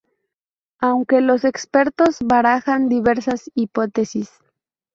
Aunque los expertos barajan diversas hipótesis.